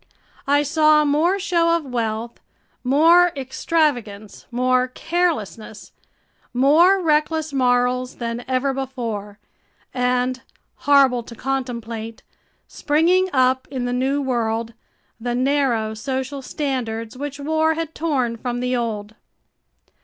I saw more show of wealth, more extravagance, more carelessness, more reckless morals than ever before, and horrible to contemplate springing up in the new world, the narrow social standards which war had torn from the old.